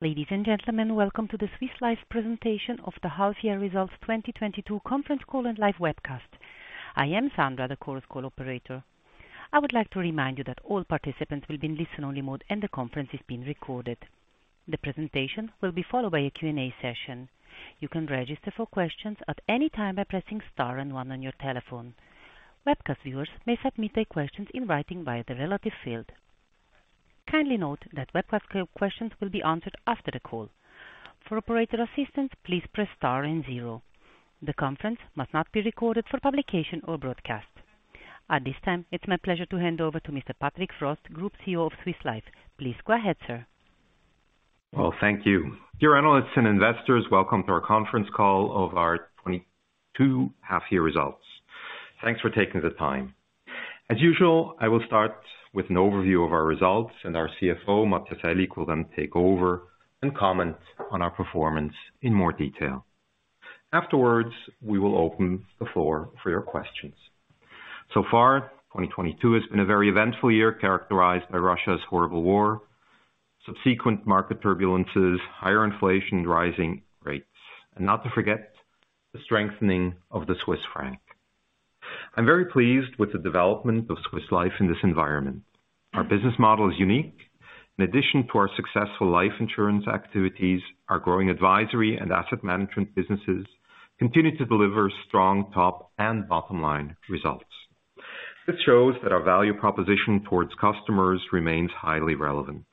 Ladies and gentlemen, welcome to the Swiss Life presentation of the half-year results 2022 conference call and live webcast. I am Sandra, the conference call operator. I would like to remind you that all participants will be in listen-only mode and the conference is being recorded. The presentation will be followed by a Q&A session. You can register for questions at any time by pressing star and one on your telephone. Webcast viewers may submit their questions in writing via the relevant field. Kindly note that webcast questions will be answered after the call. For operator assistance, please press star and zero. The conference must not be recorded for publication or broadcast. At this time, it's my pleasure to hand over to Mr. Patrick Frost, Group CEO of Swiss Life. Please go ahead, sir. Well, thank you. Dear analysts and investors, welcome to our conference call on our 2022 half-year results. Thanks for taking the time. As usual, I will start with an overview of our results, and our CFO, Matthias Aellig, will then take over and comment on our performance in more detail. Afterwards, we will open the floor for your questions. So far, 2022 has been a very eventful year, characterized by Russia's horrible war, subsequent market turbulences, higher inflation, rising rates, and not to forget, the strengthening of the Swiss franc. I'm very pleased with the development of Swiss Life in this environment. Our business model is unique. In addition to our successful life insurance activities, our growing advisory and asset management businesses continue to deliver strong top and bottom line results. This shows that our value proposition towards customers remains highly relevant.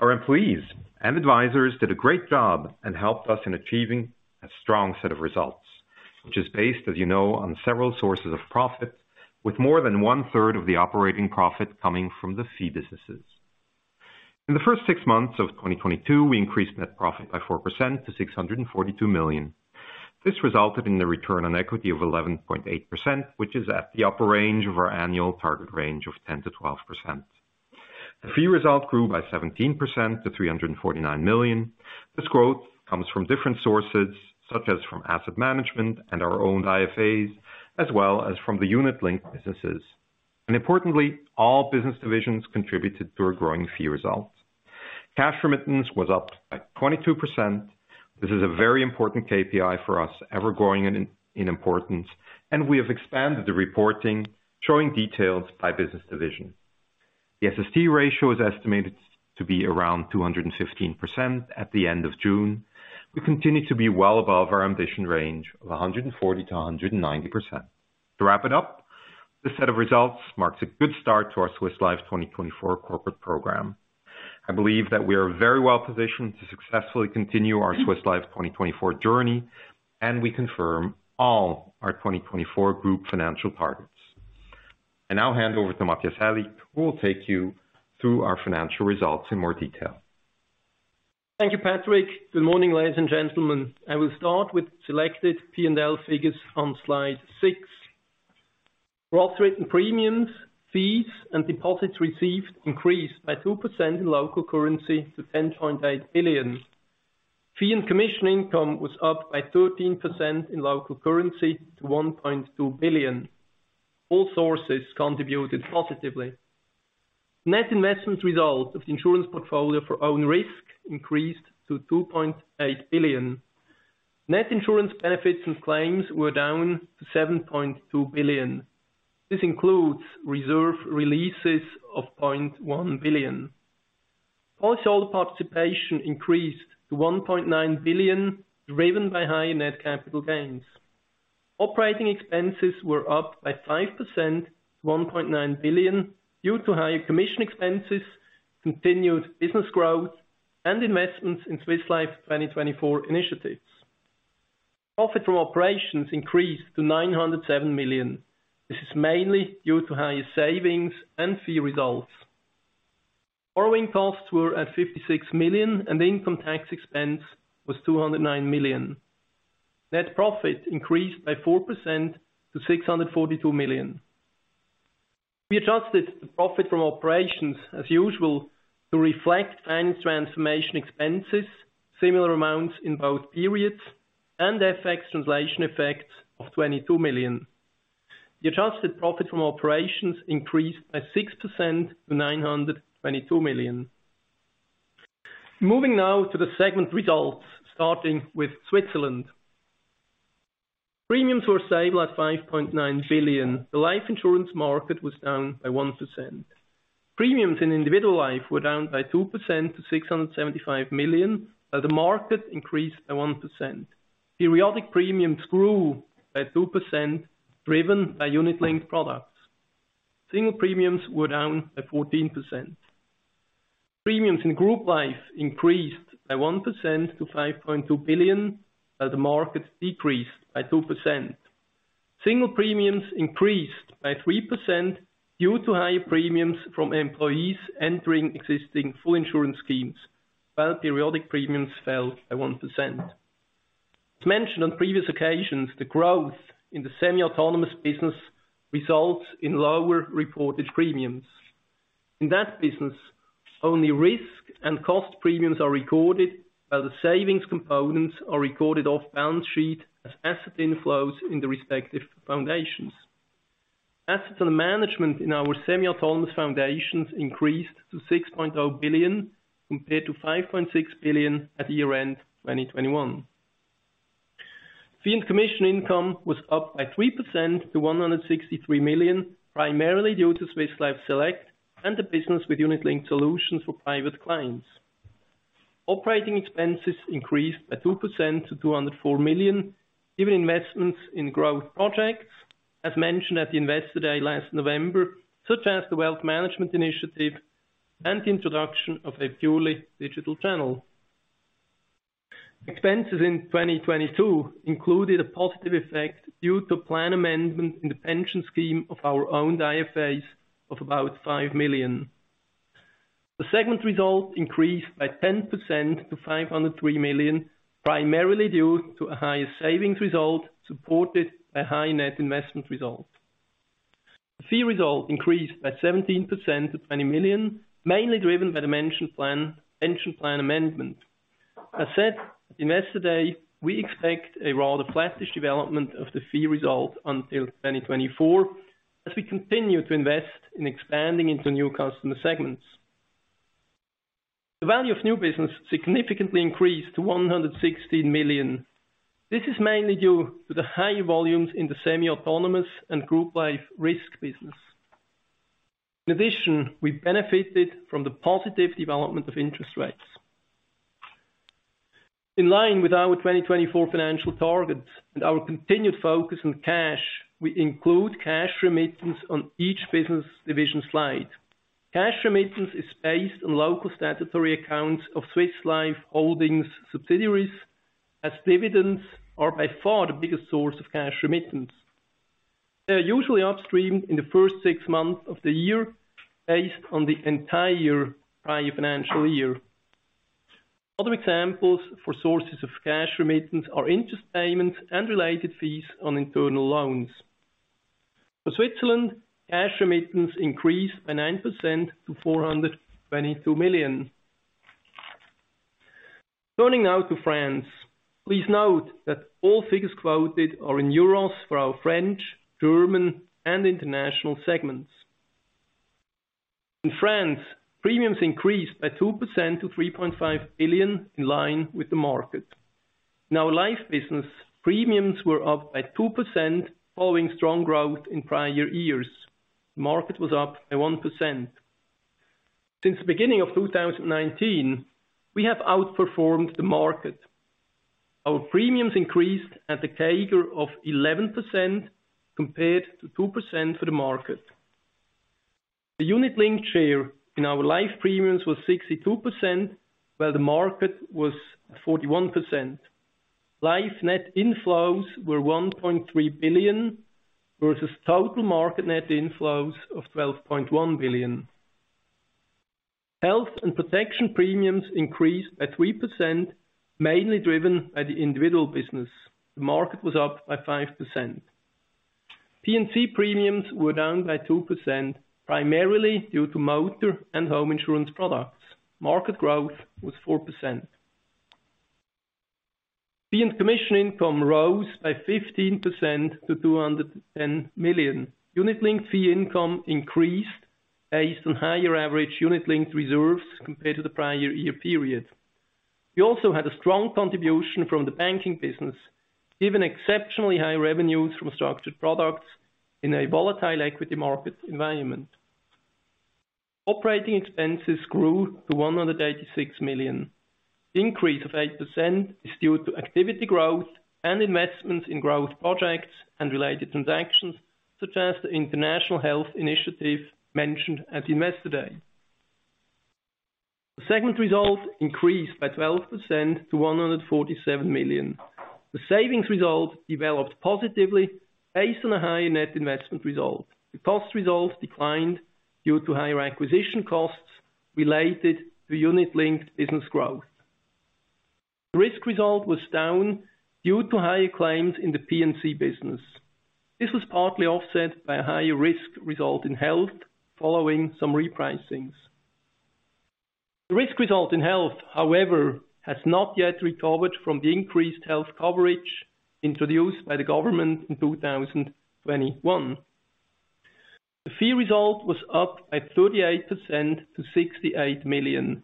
Our employees and advisors did a great job and helped us in achieving a strong set of results, which is based, as you know, on several sources of profit, with more than 1/3 of the operating profit coming from the fee businesses. In the first six months of 2022, we increased net profit by 4% to 642 million. This resulted in the return on equity of 11.8%, which is at the upper range of our annual target range of 10%-12%. The fee result grew by 17% to 349 million. This growth comes from different sources, such as from asset management and our own IFAs, as well as from the unit link businesses. Importantly, all business divisions contributed to our growing fee results. Cash remittance was up by 22%. This is a very important KPI for us, ever growing in importance, and we have expanded the reporting, showing details by business division. The SST ratio is estimated to be around 215% at the end of June. We continue to be well above our ambition range of 140%-190%. To wrap it up, this set of results marks a good start to our Swiss Life 2024 corporate program. I believe that we are very well positioned to successfully continue our Swiss Life 2024 journey, and we confirm all our 2024 group financial targets. I now hand over to Matthias Aellig, who will take you through our financial results in more detail. Thank you, Patrick. Good morning, ladies and gentlemen. I will start with selected P&L figures on Slide Six. Gross written premiums, fees, and deposits received increased by 2% in local currency to 10.8 billion. Fee and commission income was up by 13% in local currency to 1.2 billion. All sources contributed positively. Net investment result of the insurance portfolio for own risk increased to 2.8 billion. Net insurance benefits and claims were down to 7.2 billion. This includes reserve releases of 0.1 billion. Policyholder participation increased to 1.9 billion, driven by high net capital gains. Operating expenses were up by 5% to 1.9 billion due to higher commission expenses, continued business growth, and investments in Swiss Life 2024 initiatives. Profit from operations increased to 907 million. This is mainly due to higher savings and fee results. Borrowing costs were at 56 million and the income tax expense was 209 million. Net profit increased by 4% to 642 million. We adjusted the profit from operations as usual to reflect financial transformation expenses, similar amounts in both periods, and FX translation effects of 22 million. The adjusted profit from operations increased by 6% to 922 million. Moving now to the segment results, starting with Switzerland. Premiums were stable at 5.9 billion. The life insurance market was down by 1%. Premiums in individual life were down by 2% to 675 million, but the market increased by 1%. Periodic premiums grew by 2% driven by unit-linked products. Single premiums were down by 14%. Premiums in group life increased by 1% to 5.2 billion as the market decreased by 2%. Single premiums increased by 3% due to higher premiums from employees entering existing full insurance schemes, while periodic premiums fell by 1%. As mentioned on previous occasions, the growth in the semi-autonomous business results in lower reported premiums. In that business, only risk and cost premiums are recorded while the savings components are recorded off balance sheet as asset inflows in the respective foundations. Assets under management in our semi-autonomous foundations increased to 6.0 billion compared to 5.6 billion at year-end 2021. Fee and commission income was up by 3% to 163 million, primarily due to Swiss Life Select and the business with unit-linked solutions for private clients. Operating expenses increased by 2% to 204 million, given investments in growth projects, as mentioned at the Investor Day last November, such as the wealth management initiative and introduction of a purely digital channel. Expenses in 2022 included a positive effect due to plan amendment in the pension scheme of our owned IFAs of about 5 million. The segment result increased by 10% to 503 million, primarily due to a higher savings result supported by high net investment result. The fee result increased by 17% to 20 million, mainly driven by the pension plan amendment. As said at Investor Day, we expect a rather flattish development of the fee result until 2024, as we continue to invest in expanding into new customer segments. The value of new business significantly increased to 160 million. This is mainly due to the high volumes in the semi-autonomous and group life risk business. In addition, we benefited from the positive development of interest rates. In line with our 2024 financial targets and our continued focus on cash, we include cash remittance on each business division slide. Cash remittance is based on local statutory accounts of Swiss Life Holding subsidiaries, as dividends are by far the biggest source of cash remittance. They are usually upstreamed in the first six months of the year based on the entire prior financial year. Other examples for sources of cash remittance are interest payments and related fees on internal loans. For Switzerland, cash remittance increased by 9% to 422 million. Turning now to France. Please note that all figures quoted are in euros for our French, German, and international segments. In France, premiums increased by 2% to 3.5 billion in line with the market. In our life business, premiums were up by 2% following strong growth in prior years. Market was up by 1%. Since the beginning of 2019, we have outperformed the market. Our premiums increased at a CAGR of 11% compared to 2% for the market. The unit link share in our life premiums was 62%, while the market was 41%. Life net inflows were 1.3 billion versus total market net inflows of 12.1 billion. Health and protection premiums increased by 3%, mainly driven by the individual business. The market was up by 5%. P&C premiums were down by 2%, primarily due to motor and home insurance products. Market growth was 4%. Fee and commission income rose by 15% to 210 million. Unit-linked fee income increased based on higher average unit-linked reserves compared to the prior year period. We also had a strong contribution from the banking business, given exceptionally high revenues from structured products in a volatile equity market environment. Operating expenses grew to 186 million. Increase of 8% is due to activity growth and investments in growth projects and related transactions, such as the international health initiative mentioned at Investor Day. The segment result increased by 12% to 147 million. The savings result developed positively based on a higher net investment result. The cost result declined due to higher acquisition costs related to unit-linked business growth. Risk result was down due to higher claims in the P&C business. This was partly offset by a higher risk result in health following some repricings. The risk result in health, however, has not yet recovered from the increased health coverage introduced by the government in 2021. The fee result was up by 38% to 68 million.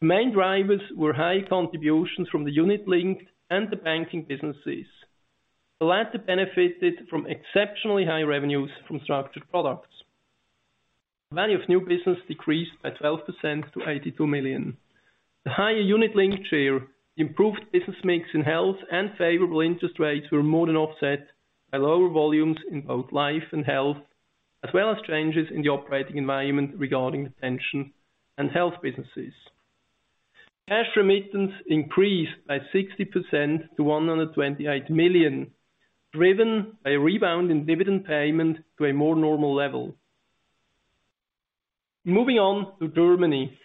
Main drivers were high contributions from the unit link and the banking businesses. The latter benefited from exceptionally high revenues from structured products. The value of new business decreased by 12% to 82 million. The higher unit link share improved business mix in health and favorable interest rates were more than offset by lower volumes in both life and health, as well as changes in the operating environment regarding pension and health businesses. Cash remittance increased by 60% to 128 million, driven by a rebound in dividend payment to a more normal level. Moving on to Germany.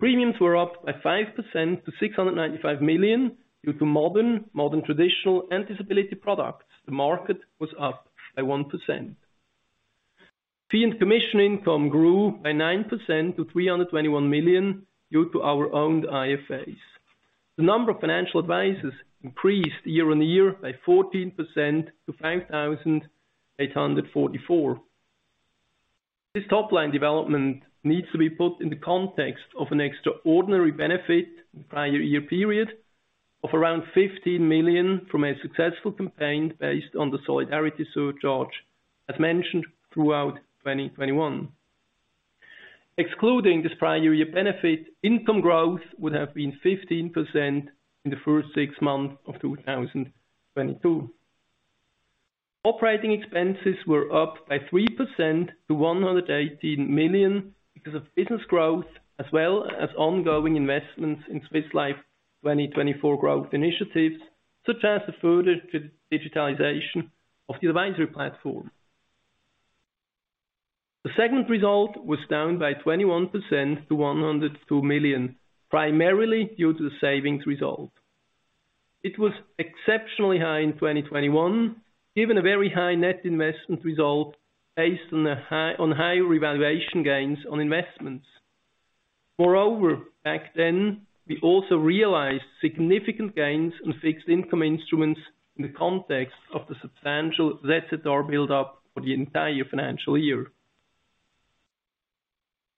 Premiums were up by 5% to 695 million due to modern traditional and disability products. The market was up by 1%. Fee and commission income grew by 9% to 321 million due to our owned IFAs. The number of financial advisors increased year-on-year by 14% to 5,844. This top line development needs to be put in the context of an extraordinary benefit in the prior year period of around 15 million from a successful campaign based on the solidarity surcharge, as mentioned throughout 2021. Excluding this prior year benefit, income growth would have been 15% in the first six months of 2022. Operating expenses were up by 3% to 118 million because of business growth as well as ongoing investments in Swiss Life 2024 growth initiatives, such as the further digitalization of the advisory platform. The segment result was down by 21% to 102 million, primarily due to the savings result. It was exceptionally high in 2021, given a very high net investment result based on higher revaluation gains on investments. Moreover, back then we also realized significant gains on fixed income instruments in the context of the substantial build up for the entire financial year.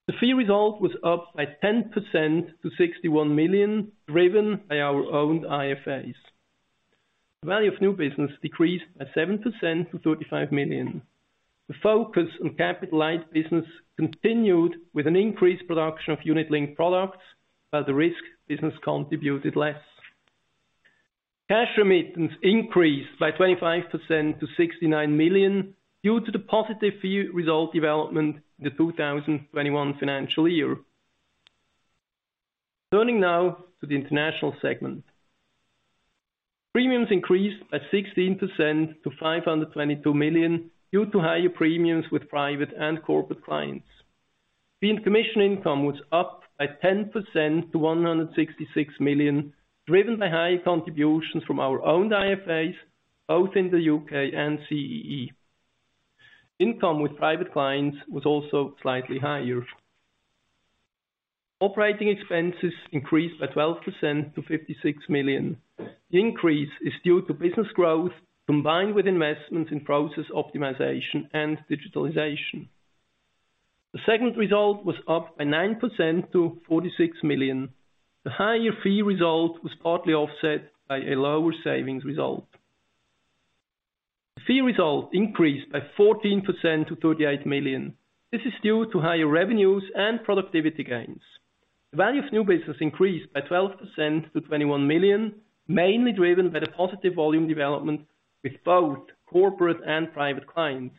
The fee result was up by 10% to 61 million, driven by our own IFAs. The value of new business decreased by 7% to 35 million. The focus on capitalized business continued with an increased production of unit-linked products, while the risk business contributed less. Cash remittance increased by 25% to 69 million due to the positive fee result development in the 2021 financial year. Turning now to the international segment. Premiums increased by 16% to 522 million due to higher premiums with private and corporate clients. Fee and commission income was up by 10% to 166 million, driven by high contributions from our own IFAs, both in the U.K. and CEE. Income with private clients was also slightly higher. Operating expenses increased by 12% to 56 million. The increase is due to business growth combined with investments in process optimization and digitalization. The segment result was up by 9% to 46 million. The higher fee result was partly offset by a lower savings result. The fee result increased by 14% to 38 million. This is due to higher revenues and productivity gains. The value of new business increased by 12% to 21 million, mainly driven by the positive volume development with both corporate and private clients.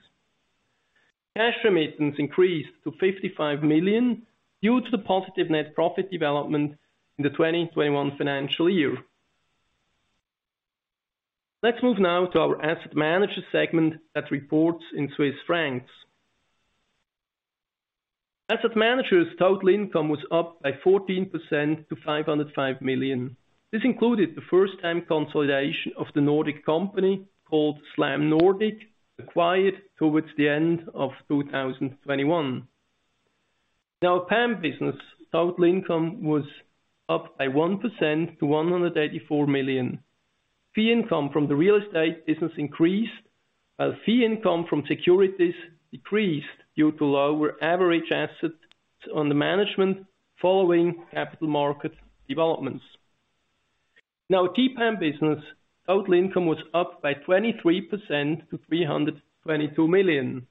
Cash remittance increased to 55 million due to the positive net profit development in the 2021 financial year. Let's move now to our asset manager segment that reports in Swiss francs. Asset managers' total income was up by 14% to 505 million. This included the first time consolidation of the Nordic company called SLAM Nordic, acquired towards the end of 2021. Now, PAM business total income was up by 1% to 184 million. Fee income from the real estate business increased while fee income from securities decreased due to lower average assets under management following capital market developments. Now, TPAM business total income was up by 23% to 322 million.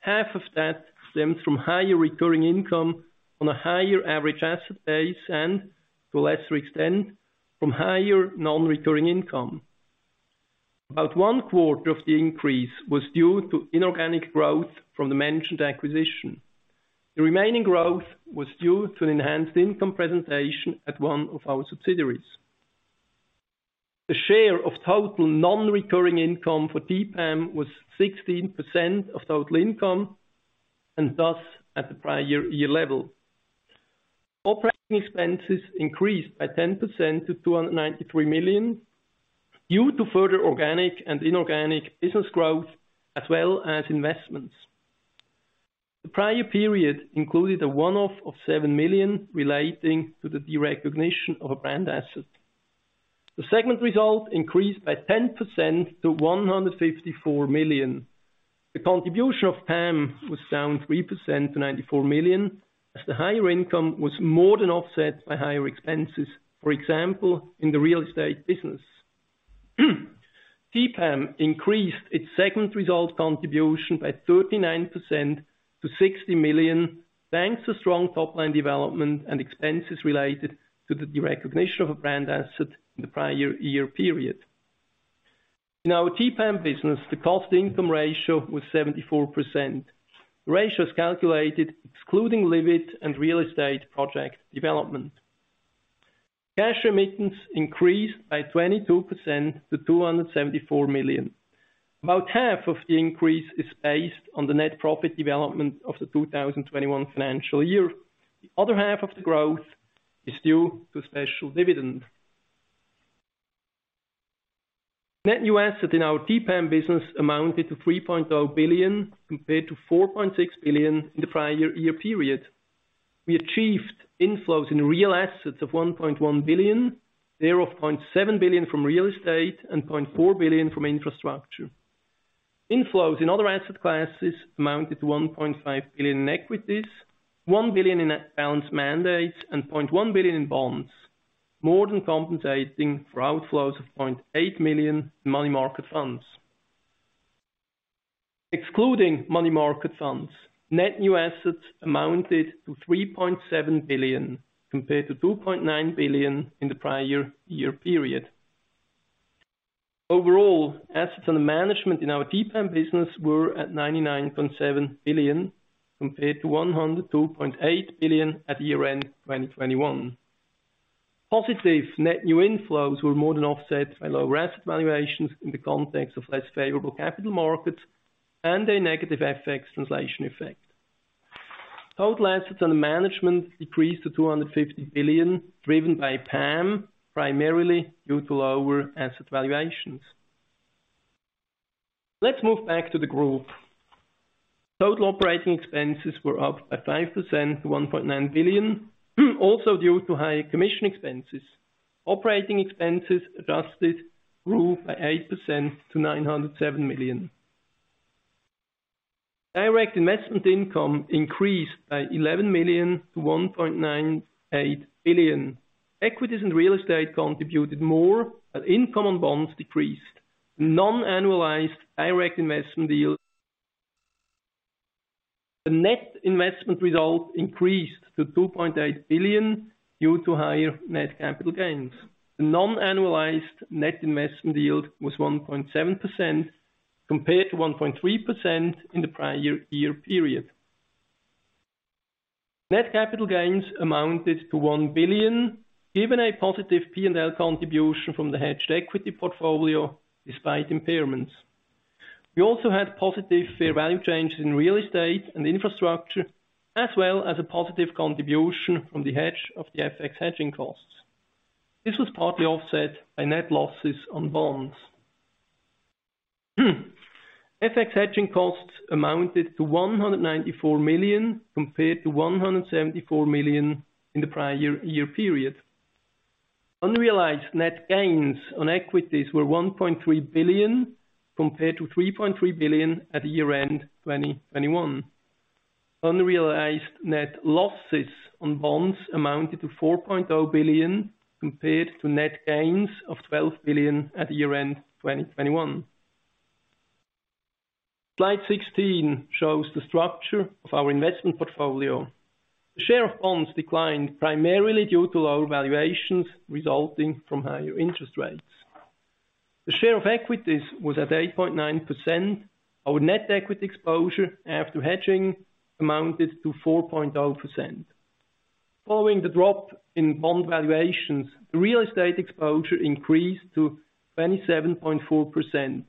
Half of that stems from higher recurring income on a higher average asset base and to a lesser extent, from higher non-recurring income. About one quarter of the increase was due to inorganic growth from the mentioned acquisition. The remaining growth was due to enhanced income presentation at one of our subsidiaries. The share of total non-recurring income for TPAM was 16% of total income and thus at the prior year level. Operating expenses increased by 10% to 293 million due to further organic and inorganic business growth as well as investments. The prior period included a one-off of 7 million relating to the derecognition of a brand asset. The segment result increased by 10% to 154 million. The contribution of PAM was down 3% to 94 million, as the higher income was more than offset by higher expenses, for example, in the real estate business. TPAM increased its segment result contribution by 39% to 60 million, thanks to strong top line development and expenses related to the derecognition of a brand asset in the prior year period. In our TPAM business, the cost-income ratio was 74%. The ratio is calculated excluding Livit and real estate project development. Cash remittance increased by 22% to 274 million. About half of the increase is based on the net profit development of the 2021 financial year. The other half of the growth is due to special dividends. Net new assets in our TPAM business amounted to 3.0 billion compared to 4.6 billion in the prior year period. We achieved inflows in real assets of 1.1 billion, thereof 0.7 billion from real estate and 0.4 billion from infrastructure. Inflows in other asset classes amounted to 1.5 billion in equities, 1 billion in balance mandates, and 0.1 billion in bonds, more than compensating for outflows of 0.8 billion in money market funds. Excluding money market funds, net new assets amounted to 3.7 billion compared to 2.9 billion in the prior year period. Overall, assets under management in our TPAM business were at 99.7 billion, compared to 102.8 billion at year-end 2021. Positive net new inflows were more than offset by lower asset valuations in the context of less favorable capital markets and a negative FX translation effect. Total assets under management decreased to 250 billion, driven by PAM, primarily due to lower asset valuations. Let's move back to the group. Total operating expenses were up by 5% to 1.9 billion, also due to higher commission expenses. Operating expenses adjusted grew by 8% to 907 million. Direct investment income increased by 11 million to 1.98 billion. Equities and real estate contributed more, but income on bonds decreased. The net investment result increased to 2.8 billion due to higher net capital gains. The non-annualized net investment yield was 1.7% compared to 1.3% in the prior year period. Net capital gains amounted to 1 billion, given a positive P&L contribution from the hedged equity portfolio despite impairments. We also had positive fair value changes in real estate and infrastructure, as well as a positive contribution from the hedge of the FX hedging costs. This was partly offset by net losses on bonds. FX hedging costs amounted to 194 million compared to 174 million in the prior year period. Unrealized net gains on equities were 1.3 billion compared to 3.3 billion at year-end 2021. Unrealized net losses on bonds amounted to 4.0 billion compared to net gains of 12 billion at year-end 2021. Slide 16 shows the structure of our investment portfolio. The share of bonds declined primarily due to lower valuations resulting from higher interest rates. The share of equities was at 8.9%. Our net equity exposure after hedging amounted to 4.0%. Following the drop in bond valuations, the real estate exposure increased to 27.4%.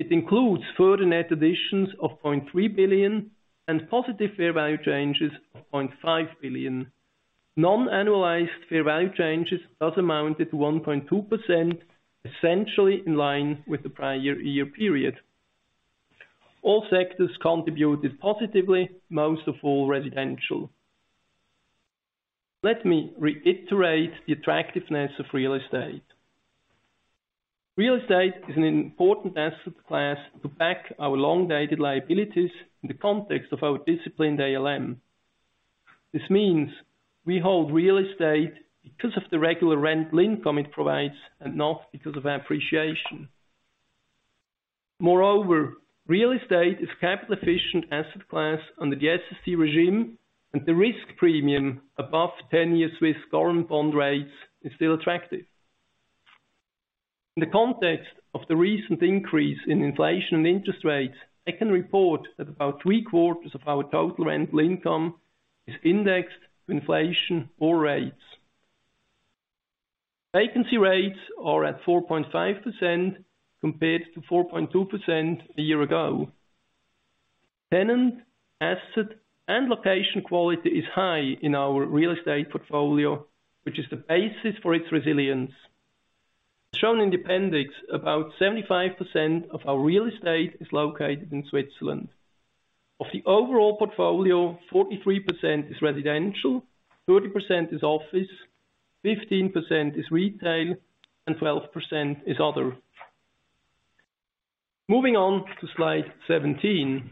It includes further net additions of 0.3 billion and positive fair value changes of 0.5 billion. Non-annualized fair value changes thus amounted to 1.2%, essentially in line with the prior year period. All sectors contributed positively, most of all residential. Let me reiterate the attractiveness of real estate. Real estate is an important asset class to back our long-dated liabilities in the context of our disciplined ALM. This means we hold real estate because of the regular rental income it provides and not because of appreciation. Moreover, real estate is capital efficient asset class under the SST regime, and the risk premium above 10-year Swiss government bond rates is still attractive. In the context of the recent increase in inflation and interest rates, I can report that about three-quarters of our total rental income is indexed to inflation or rates. Vacancy rates are at 4.5% compared to 4.2% a year ago. Tenant, asset, and location quality is high in our real estate portfolio, which is the basis for its resilience. Shown in the appendix, about 75% of our real estate is located in Switzerland. Of the overall portfolio, 43% is residential, 30% is office, 15% is retail, and 12% is other. Moving on to Slide 17.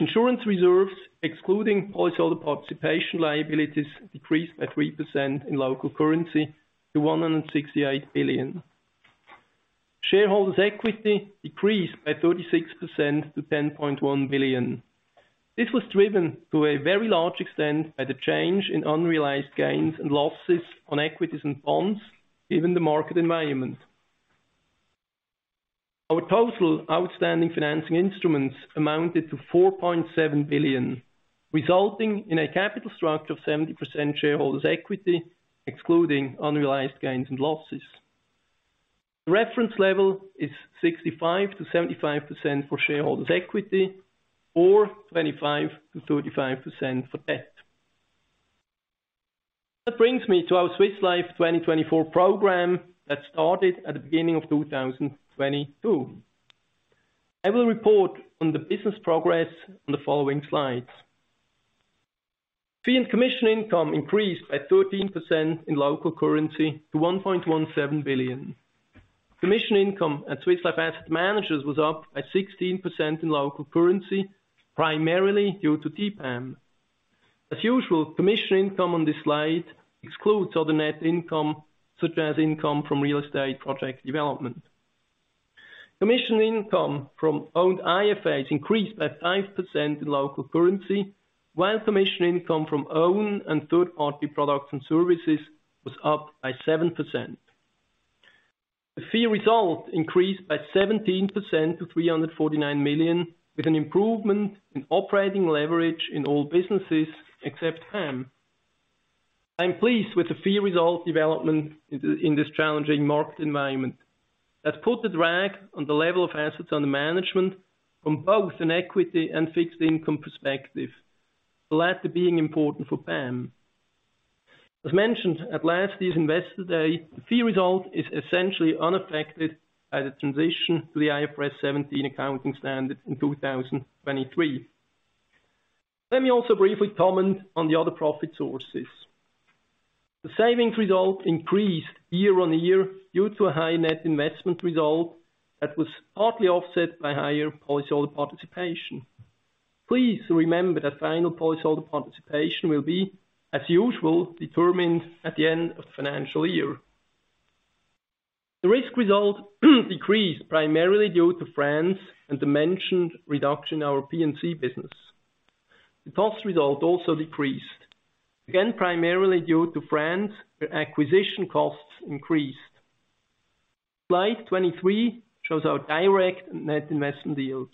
Insurance reserves, excluding policyholder participation liabilities, decreased by 3% in local currency to 168 billion. Shareholders' equity decreased by 36% to 10.1 billion. This was driven to a very large extent by the change in unrealized gains and losses on equities and bonds, given the market environment. Our total outstanding financing instruments amounted to 4.7 billion, resulting in a capital structure of 70% shareholders' equity, excluding unrealized gains and losses. The reference level is 65%-75% for shareholders' equity, or 25%-35% for debt. That brings me to our Swiss Life 2024 program that started at the beginning of 2022. I will report on the business progress on the following slides. Fee and commission income increased by 13% in local currency to 1.17 billion. Commission income at Swiss Life Asset Managers was up by 16% in local currency, primarily due to TPAM. As usual, commission income on this slide excludes other net income, such as income from real estate project development. Commission income from owned IFAs increased by 5% in local currency, while commission income from own and third-party products and services was up by 7%. The fee result increased by 17% to 349 million, with an improvement in operating leverage in all businesses except PAM. I'm pleased with the fee result development in this challenging market environment that put the drag on the level of assets under management from both an equity and fixed income perspective. The latter being important for PAM. As mentioned at last year's Investor Day, the fee result is essentially unaffected by the transition to the IFRS 17 accounting standard in 2023. Let me also briefly comment on the other profit sources. The savings result increased year-over-year due to a high net investment result that was partly offset by higher policyholder participation. Please remember that final policyholder participation will be, as usual, determined at the end of the financial year. The risk result decreased primarily due to France and the mentioned reduction in our P&C business. The cost result also decreased, again, primarily due to France, where acquisition costs increased. Slide 23 shows our direct net investment yield.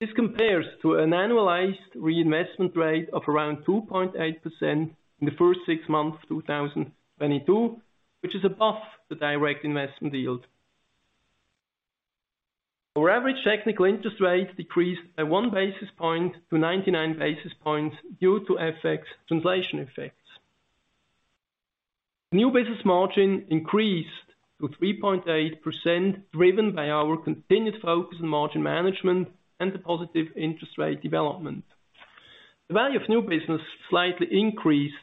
This compares to an annualized reinvestment rate of around 2.8% in the first six months 2022, which is above the direct investment yield. Our average technical interest rate decreased by one basis point to 99 basis points due to FX translation effects. New business margin increased to 3.8%, driven by our continued focus on margin management and the positive interest rate development. The value of new business slightly increased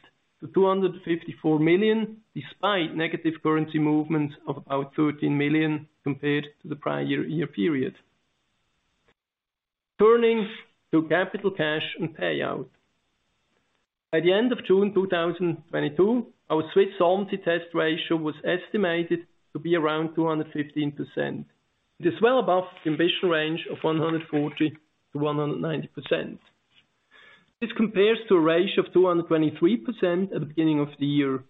to 254 million, despite negative currency movements of about 13 million compared to the prior year period. Turning to capital cash and payout. At the end of June 2022, our Swiss Solvency Test ratio was estimated to be around 215%. It is well above the ambition range of 140%-190%. This compares to a ratio of 223% at the beginning of the year.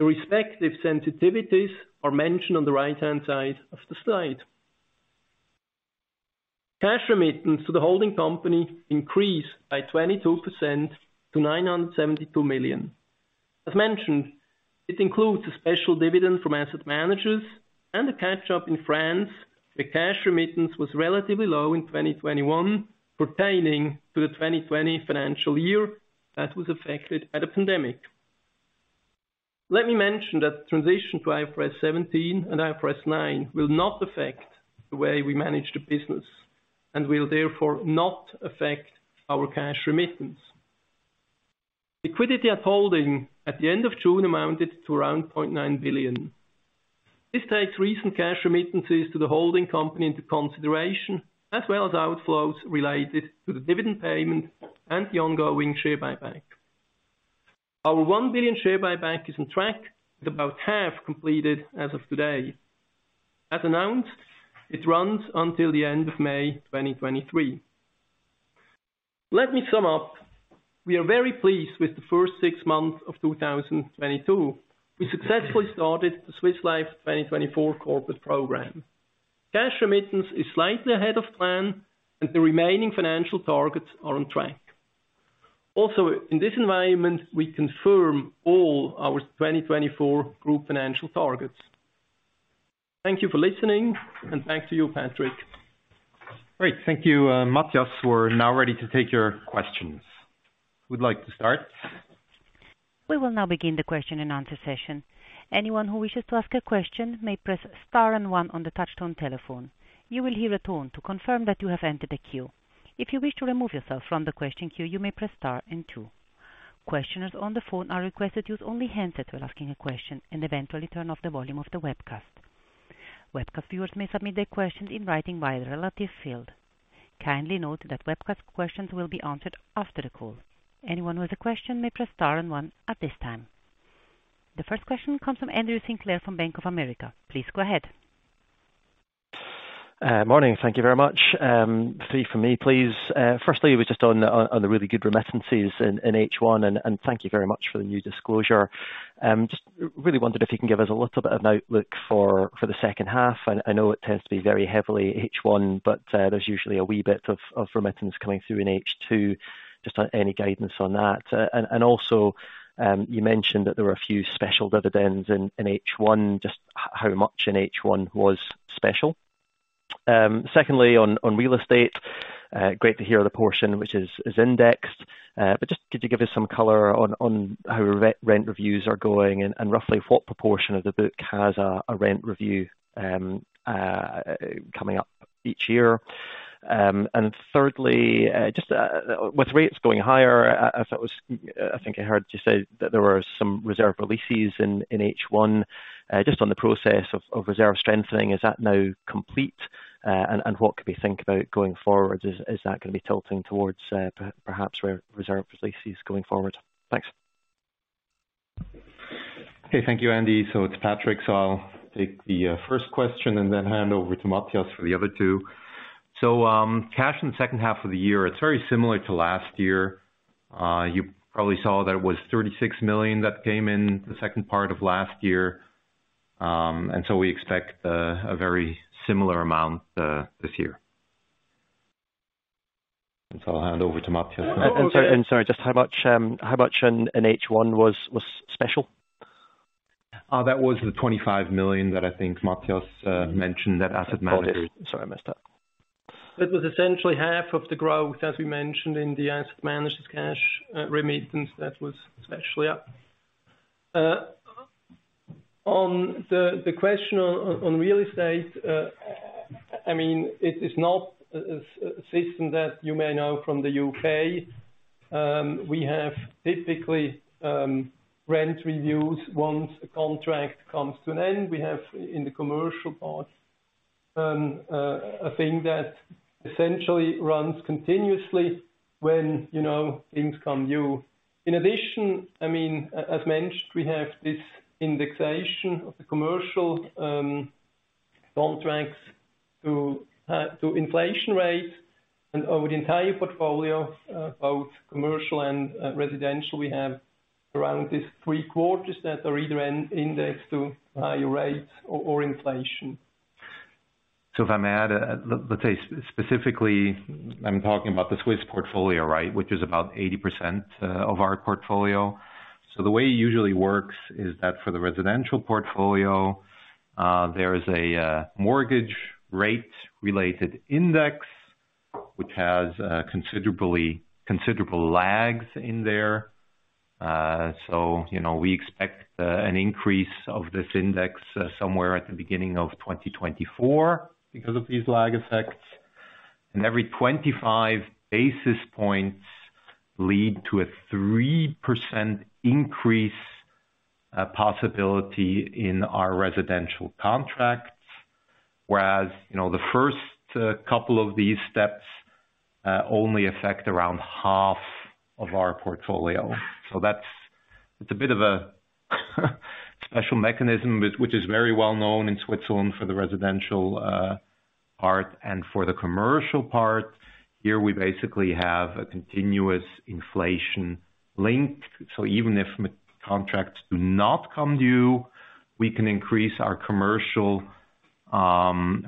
The respective sensitivities are mentioned on the right-hand side of the slide. Cash remittance to the holding company increased by 22% to 972 million. As mentioned, it includes a special dividend from asset managers and a catch-up in France, where cash remittance was relatively low in 2021 pertaining to the 2020 financial year that was affected by the pandemic. Let me mention that the transition to IFRS 17 and IFRS 9 will not affect the way we manage the business and will therefore not affect our cash remittance. Liquidity at holding at the end of June amounted to around 0.9 billion. This takes recent cash remittances to the holding company into consideration, as well as outflows related to the dividend payment and the ongoing share buyback. Our 1 billion share buyback is on track, with about half completed as of today. As announced, it runs until the end of May 2023. Let me sum up. We are very pleased with the first six months of 2022. We successfully started the Swiss Life 2024 corporate program. Cash remittance is slightly ahead of plan and the remaining financial targets are on track. Also, in this environment, we confirm all our 2024 group financial targets. Thank you for listening and back to you, Patrick. Great. Thank you, Matthias. We're now ready to take your questions. Who'd like to start? We will now begin the question and answer session. Anyone who wishes to ask a question may press star and one on the touchtone telephone. You will hear a tone to confirm that you have entered the queue. If you wish to remove yourself from the question queue, you may press star and two. Questioners on the phone are requested to use only handsets when asking a question and eventually turn off the volume of the webcast. Webcast viewers may submit their questions in writing via the relevant field. Kindly note that webcast questions will be answered after the call. Anyone with a question may press star and one at this time. The first question comes from Andrew Sinclair from Bank of America. Please go ahead. Morning. Thank you very much. Three from me, please. Firstly, it was just on the really good remittances in H1. Thank you very much for the new disclosure. Just really wondered if you can give us a little bit of an outlook for the second half. I know it tends to be very heavily H1, but there's usually a wee bit of remittance coming through in H2. Just any guidance on that. Also, you mentioned that there were a few special dividends in H1. Just how much in H1 was special? Secondly, on real estate, great to hear the portion which is indexed. Just could you give us some color on how rent reviews are going and roughly what proportion of the book has a rent review coming up each year? Thirdly, just with rates going higher, I think I heard you say that there were some reserve releases in H1 just on the process of reserve strengthening, is that now complete? And what can we think about going forward? Is that gonna be tilting towards perhaps reserve releases going forward? Thanks. Okay. Thank you, Andy. It's Patrick. I'll take the first question and then hand over to Matthias for the other two. Cash in the second half of the year, it's very similar to last year. You probably saw that it was 36 million that came in the second part of last year. We expect a very similar amount this year. I'll hand over to Matthias now. Sorry, just how much in H1 was special? That was the 25 million that I think Matthias mentioned that asset managers. Sorry, I messed up. It was essentially half of the growth, as we mentioned in the asset managers cash remittance. That was actually up. On the question on real estate, I mean, it is not a system that you may know from the U.K. We have typically rent reviews once a contract comes to an end. We have in the commercial part a thing that essentially runs continuously when, you know, things come new. In addition, I mean, as mentioned, we have this indexation of the commercial contracts to inflation rate and over the entire portfolio both commercial and residential we have around this three-quarters that are either an index to higher rates or inflation. If I may add, let's say specifically I'm talking about the Swiss portfolio, right? Which is about 80% of our portfolio. The way it usually works is that for the residential portfolio, there is a mortgage rate related index which has considerable lags in there. You know, we expect an increase of this index somewhere at the beginning of 2024 because of these lag effects. Every 25 basis points lead to a 3% increase possibility in our residential contracts. Whereas, you know, the first couple of these steps only affect around half of our portfolio. That's. It's a bit of a special mechanism which is very well known in Switzerland for the residential part and for the commercial part. Here we basically have a continuous inflation link. Even if contracts do not come due, we can increase our commercial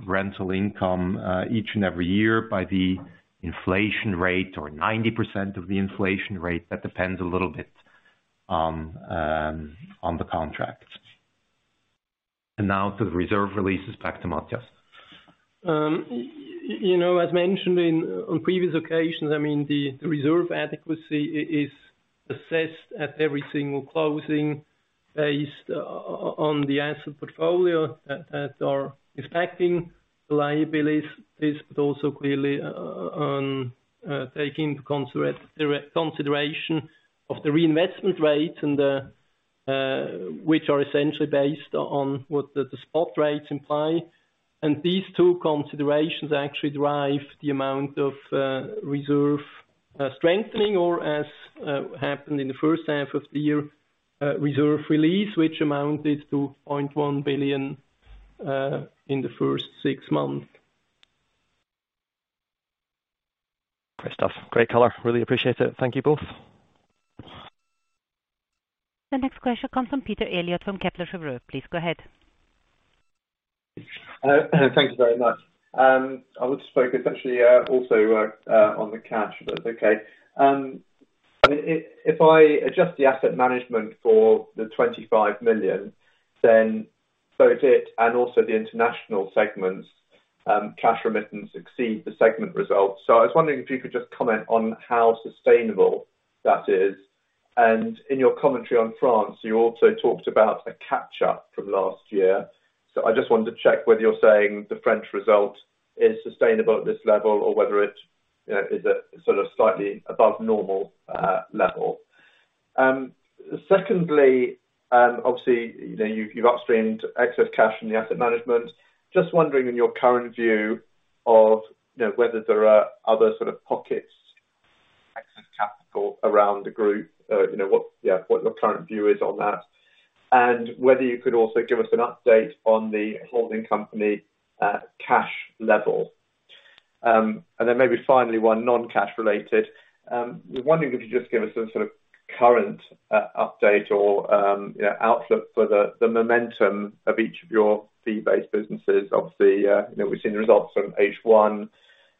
rental income each and every year by the inflation rate or 90% of the inflation rate. That depends a little bit on the contracts. Now to the reserve releases back to Matthias. You know, as mentioned on previous occasions, I mean, the reserve adequacy is assessed at every single closing based on the asset portfolio that are expecting the liabilities, but also clearly on taking into consideration of the reinvestment rates and which are essentially based on what the spot rates imply. These two considerations actually drive the amount of reserve strengthening or as happened in the first half of the year, reserve release, which amounted to 0.1 billion in the first six months. Great stuff. Great color. Really appreciate it. Thank you both. The next question comes from Peter Eliot from Kepler Cheuvreux. Please go ahead. Thank you very much. I would speak essentially also on the cash, but okay. If I adjust the asset management for the 25 million, then both it and the international segments cash remittance exceed the segment results. I was wondering if you could just comment on how sustainable that is. In your commentary on France, you also talked about a catch up from last year. I just wanted to check whether you're saying the French result is sustainable at this level or whether it, you know, is a sort of slightly above normal level. Secondly, obviously, you know, you've upstreamed excess cash in the asset management. Just wondering in your current view of whether there are other sort of pockets, excess capital around the group, what your current view is on that. Whether you could also give us an update on the holding company cash level. Maybe finally, one non-cash related. Was wondering if you could just give us a sort of current update or outlook for the momentum of each of your fee-based businesses. Obviously, we've seen results from H1.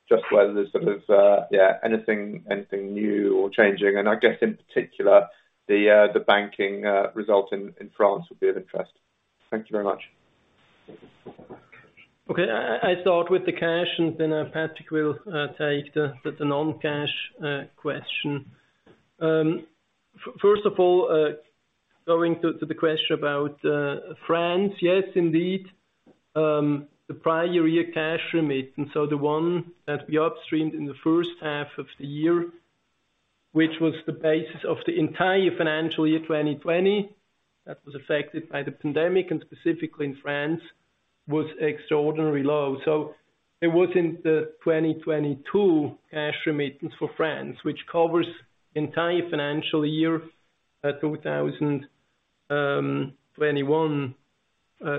Just whether there's sort of anything new or changing, and I guess in particular the banking result in France would be of interest. Thank you very much. Okay. I start with the cash and then Patrick will take the non-cash question. First of all, going to the question about France. Yes, indeed, the prior year cash remittances, so the one that we upstreamed in the first half of the year, which was the basis of the entire financial year 2020, that was affected by the pandemic and specifically in France, was extraordinarily low. It was in the 2022 cash remittance for France, which covers entire financial year 2021.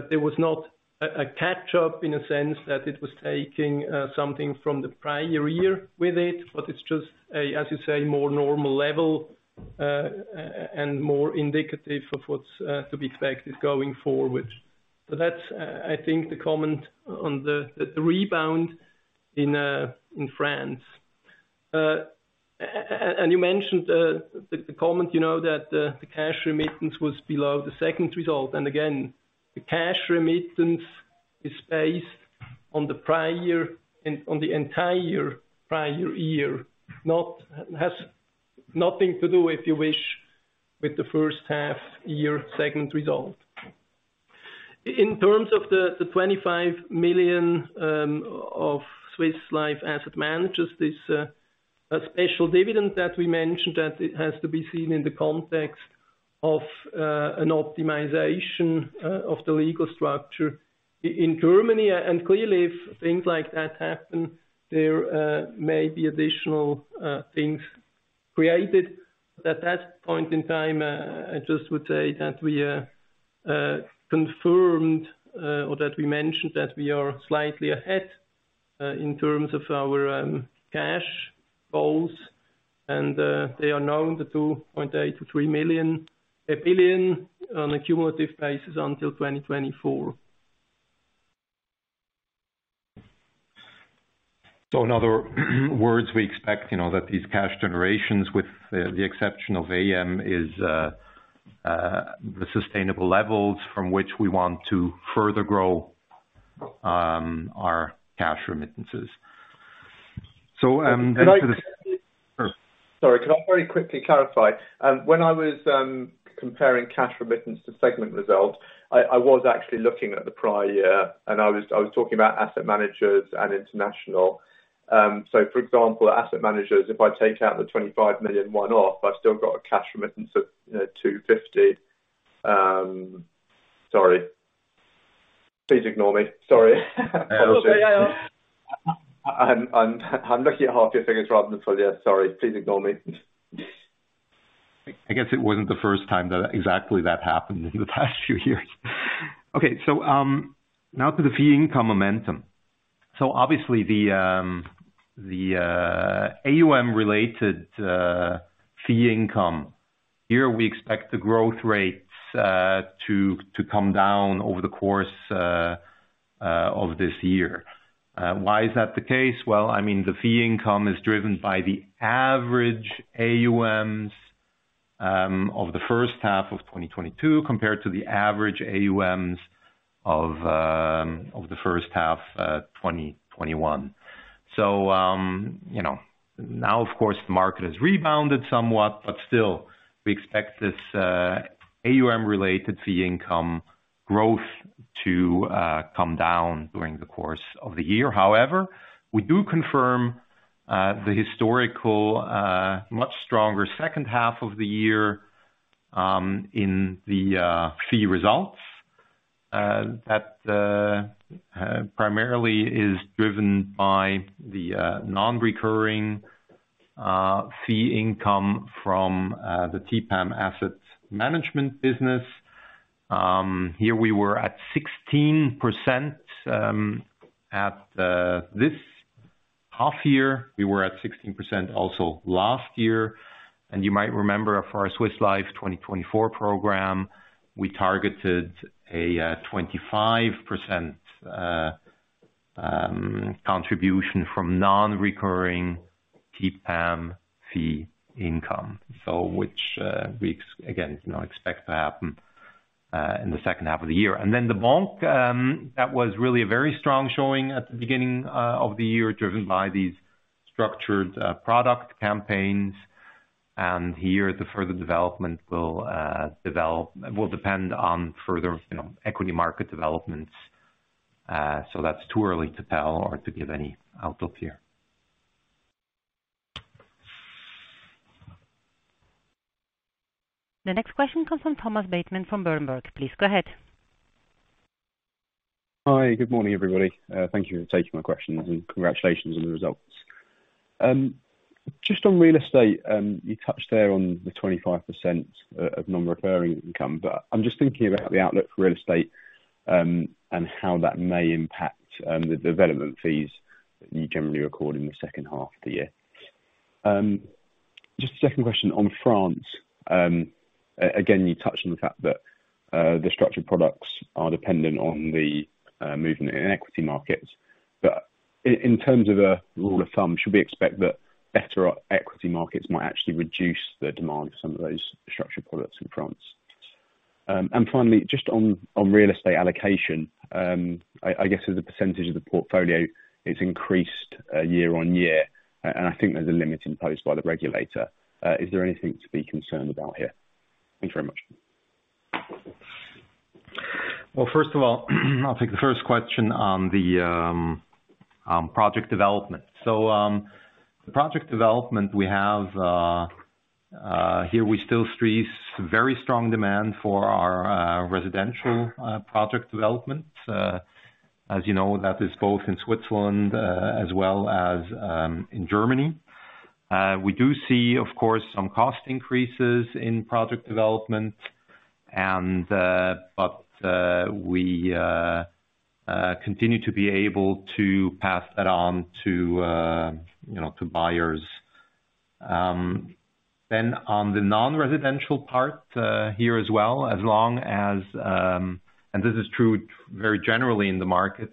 There was not a catch up in the sense that it was taking something from the prior year with it, but it's just a, as you say, more normal level and more indicative of what's to be expected going forward. That's, I think, the comment on the rebound in France. You mentioned the comment, you know, that the cash remittance was below the second result. Again, the cash remittance is based on the prior year and on the entire prior year. It has nothing to do, if you wish, with the first half year segment result. In terms of the 25 million of Swiss Life Asset Managers, this a special dividend that we mentioned that it has to be seen in the context of an optimization of the legal structure in Germany. Clearly, if things like that happen, there may be additional things created. At that point in time, I just would say that we confirmed or that we mentioned that we are slightly ahead in terms of our cash goals and they are now 2.8 billion-3 billion on a cumulative basis until 2024. In other words, we expect, you know, that these cash generations, with the exception of AM, is the sustainable levels from which we want to further grow our cash remittances. And to the- Can I- Sure. Sorry. Can I very quickly clarify? When I was comparing cash remittance to segment results, I was actually looking at the prior year, and I was talking about asset managers and international. For example, asset managers, if I take out the 25 million one-off, I've still got a cash remittance of 250 million. Sorry. Please ignore me. Sorry. It's okay. Yeah, yeah. I'm looking at half your figures rather than full year. Sorry. Please ignore me. I guess it wasn't the first time that exactly that happened in the past few years. Okay. Now to the fee income momentum. Obviously the AUM related fee income. Here we expect the growth rates to come down over the course of this year. Why is that the case? Well, I mean, the fee income is driven by the average AUMs of the first half of 2022 compared to the average AUMs of the first half 2021. You know, now of course the market has rebounded somewhat, but still we expect this AUM related fee income growth to come down during the course of the year. However, we do confirm the historical much stronger second half of the year in the fee results that primarily is driven by the non-recurring fee income from the TPAM asset management business. Here we were at 16% at this half year. We were at 16% also last year. You might remember for our Swiss Life 2024 program, we targeted a 25% contribution from non-recurring TPAM fee income. Which we again, you know, expect to happen in the second half of the year. Then the bank that was really a very strong showing at the beginning of the year, driven by these structured product campaigns. Here the further development will depend on further, you know, equity market developments. That's too early to tell or to give any outlook here. The next question comes from Thomas Bateman from Berenberg. Please go ahead. Hi. Good morning, everybody. Thank you for taking my questions and congratulations on the results. Just on real estate, you touched there on the 25% of non-recurring income, but I'm just thinking about the outlook for real estate, and how that may impact the development fees that you generally record in the second half of the year. Just a second question on France. Again, you touched on the fact that the structured products are dependent on the movement in equity markets. But in terms of a rule of thumb, should we expect that better equity markets might actually reduce the demand for some of those structured products in France? Finally, just on real estate allocation, I guess as a percentage of the portfolio, it's increased year-on-year. I think there's a limit imposed by the regulator. Is there anything to be concerned about here? Thank you very much. Well, first of all, I'll take the first question on the project development. The project development we have here we still see very strong demand for our residential project development. As you know, that is both in Switzerland as well as in Germany. We do see, of course, some cost increases in project development and we continue to be able to pass that on to you know to buyers. On the non-residential part here as well, as long as this is true very generally in the market.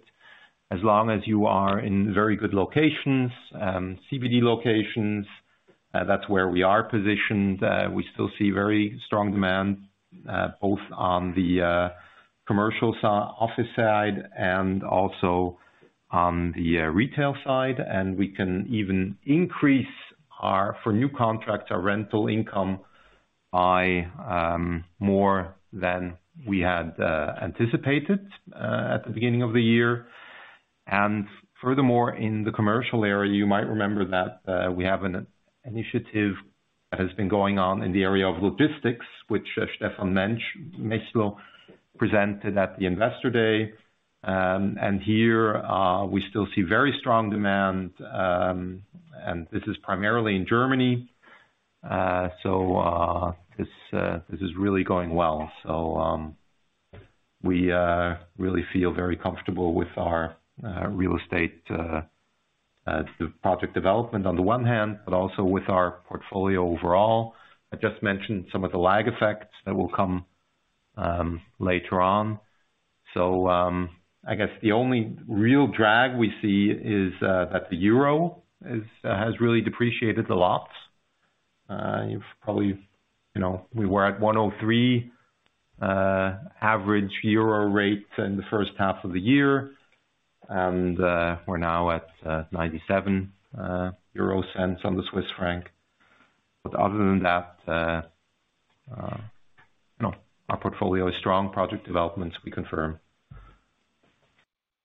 As long as you are in very good locations, CBD locations, that's where we are positioned. We still see very strong demand, both on the commercial office side and also on the retail side. We can even increase our rental income for new contracts by more than we had anticipated at the beginning of the year. Furthermore, in the commercial area, you might remember that we have an initiative that has been going on in the area of logistics, which Stefan Mächler presented at the Investor Day. Here, we still see very strong demand, and this is primarily in Germany. This is really going well. We really feel very comfortable with our real estate project development on the one hand, but also with our portfolio overall. I just mentioned some of the lag effects that will come later on. I guess the only real drag we see is that the euro has really depreciated a lot. You've probably, you know, we were at 1.03 euro average rate in the first half of the year, and we're now at 0.97 on the Swiss franc. But other than that, you know, our portfolio is strong. Project developments we confirm.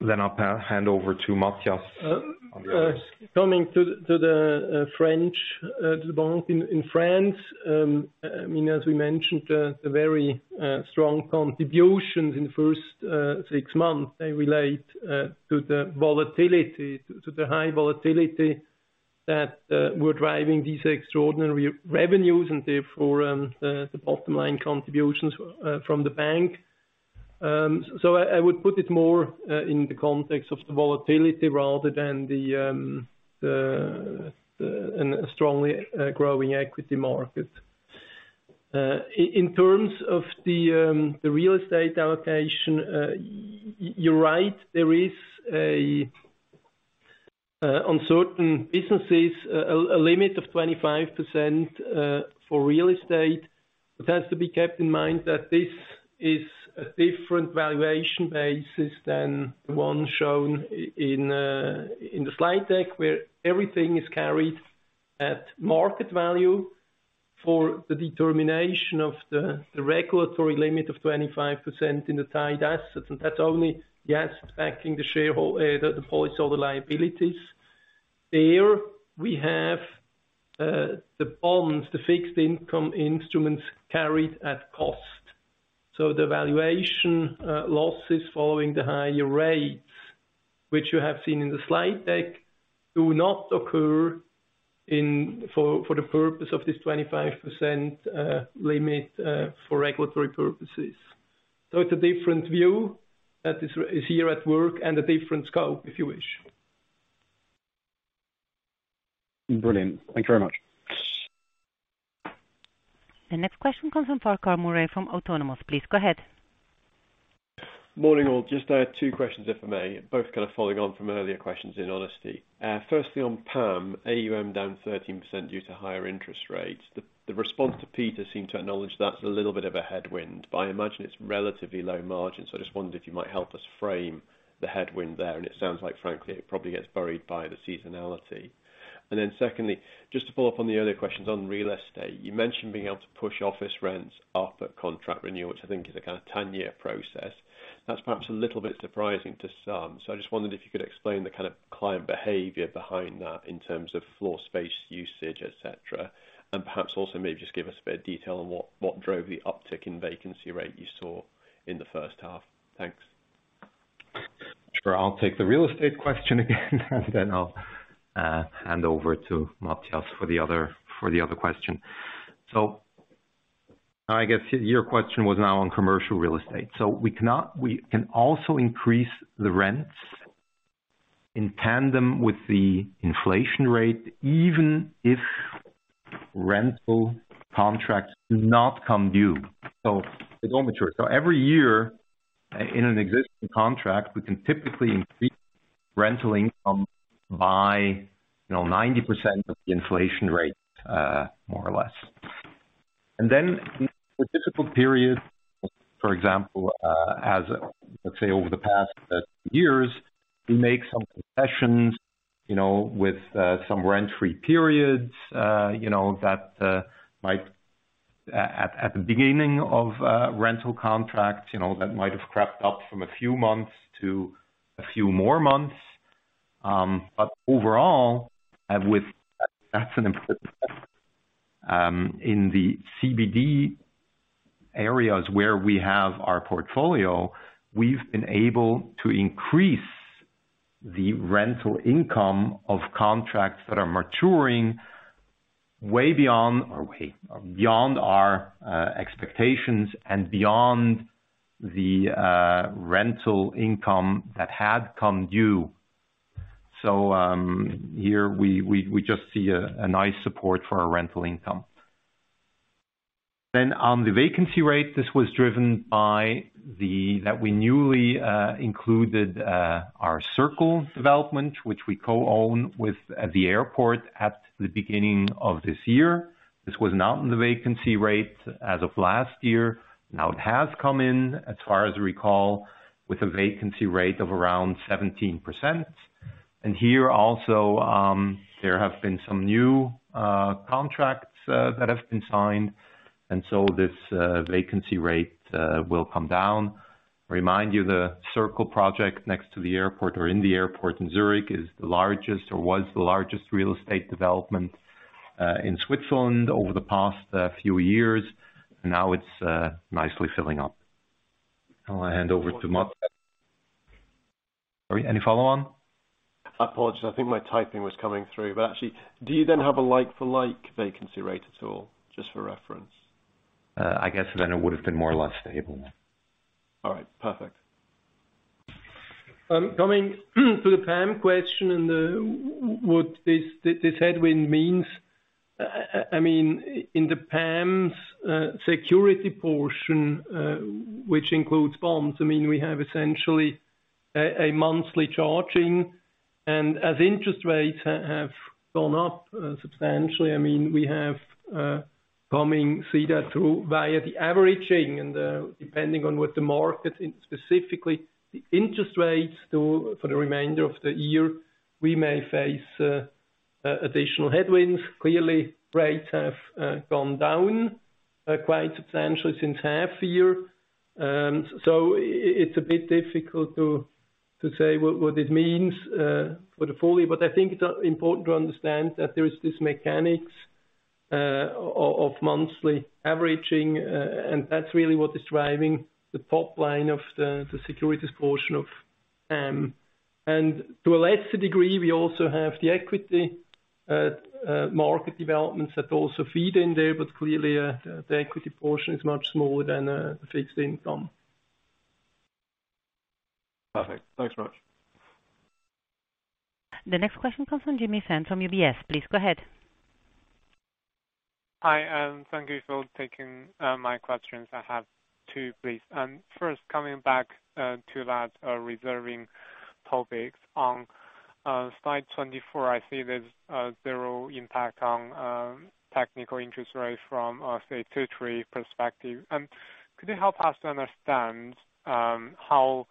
I'll hand over to Matthias. Coming to the French to the bank in France. I mean, as we mentioned, the very strong contributions in the first six months, they relate to the volatility, to the high volatility that were driving these extraordinary revenues and therefore, the bottom line contributions from the bank. I would put it more in the context of the volatility rather than a strongly growing equity market. In terms of the real estate allocation, you're right. There is, on certain businesses, a limit of 25% for real estate. It has to be kept in mind that this is a different valuation basis than the one shown in the slide deck, where everything is carried at market value for the determination of the regulatory limit of 25% in the tied assets. That's only, yes, backing the policyholder liabilities. There we have the bonds, the fixed income instruments carried at cost. The valuation losses following the higher rates, which you have seen in the slide deck, do not occur for the purpose of this 25% limit for regulatory purposes. It's a different view that is here at work and a different scope, if you wish. Brilliant. Thank you very much. The next question comes from Farquhar Murray from Autonomous. Please go ahead. Morning, all. Just two questions, if I may. Both kind of following on from earlier questions in honesty. Firstly on PAM, AUM down 13% due to higher interest rates. The response to Peter seemed to acknowledge that's a little bit of a headwind, but I imagine it's relatively low margin. I just wondered if you might help us frame the headwind there. It sounds like, frankly, it probably gets buried by the seasonality. Then secondly, just to follow up on the earlier questions on real estate. You mentioned being able to push office rents up at contract renewal, which I think is a kind of ten-year process. That's perhaps a little bit surprising to some. I just wondered if you could explain the kind of client behavior behind that in terms of floor space usage, et cetera. Perhaps also maybe just give us a bit of detail on what drove the uptick in vacancy rate you saw in the first half? Thanks. Sure. I'll take the real estate question again and then I'll hand over to Matthias for the other question. I guess your question was now on commercial real estate. We can also increase the rents in tandem with the inflation rate, even if rental contracts do not come due, so they don't mature. Every year in an existing contract, we can typically increase rental income by, you know, 90% of the inflation rate, more or less. The difficult period, for example, as let's say over the past years, we make some concessions, you know, with some rent-free periods. You know, that might at the beginning of a rental contract, you know, that might have crept up from a few months to a few more months. Overall, with that's an improvement. In the CBD areas where we have our portfolio, we've been able to increase the rental income of contracts that are maturing way beyond our expectations and beyond the rental income that had come due. Here we just see a nice support for our rental income. On the vacancy rate, this was driven by that we newly included our circle development, which we co-own with at the airport at the beginning of this year. This was not in the vacancy rate as of last year. Now it has come in, as far as I recall, with a vacancy rate of around 17%. Here also, there have been some new contracts that have been signed. This vacancy rate will come down. Remind you, the Circle Project next to the airport or in the airport in Zurich is the largest or was the largest real estate development in Switzerland over the past few years. Now it's nicely filling up. I'll hand over to Matthias Aellig. Sorry, any follow on? I apologize. I think my typing was coming through, but actually, do you then have a like for like vacancy rate at all, just for reference? I guess then it would have been more or less stable. All right. Perfect. Coming to the PAM question and what this headwind means. I mean, in the PAM's securities portion, which includes bonds. I mean, we have essentially a monthly charging, and as interest rates have gone up substantially. I mean, we have come to see that through the averaging and, depending on what the market and specifically the interest rates do for the remainder of the year, we may face additional headwinds. Clearly, rates have gone down quite substantially since half year. It's a bit difficult to say what it means for the full year. I think it's important to understand that there's this mechanics of monthly averaging, and that's really what is driving the top line of the securities portion of PAM. To a lesser degree, we also have the equity market developments that also feed in there. Clearly, the equity portion is much smaller than the fixed income. Perfect. Thanks much. The next question comes from Jimmy Fan from UBS. Please go ahead. Hi, thank you for taking my questions. I have two, please. First, coming back to that reserving topic. On Slide 24, I see there's zero impact on technical interest rates from a territory perspective. Could you help us to understand how